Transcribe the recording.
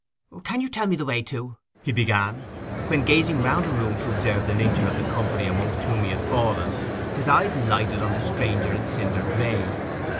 'Can you tell me the way to—?' he began: when, gazing round the room to observe the nature of the company amongst whom he had fallen, his eyes lighted on the stranger in cinder gray.